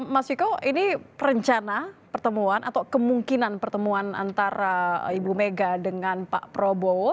mas viko ini rencana pertemuan atau kemungkinan pertemuan antara ibu mega dengan pak prabowo